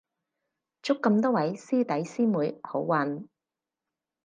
祝咁多位師弟師妹好運